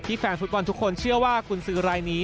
แฟนฟุตบอลทุกคนเชื่อว่ากุญสือรายนี้